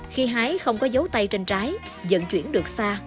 khi hái không có dấu tay trên trái dẫn chuyển được xa